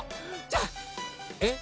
じゃあえっ